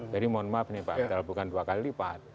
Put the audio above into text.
jadi mohon maaf nih pak tel bukan dua kali lipat